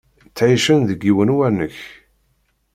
Ttεicen deg yiwen uwanek.